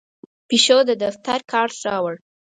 پیشو د دفتر کارت راوړ.